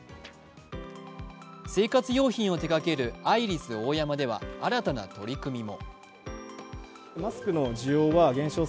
生活用品を手がけるアイリスオーヤマでは新たな取り組みも。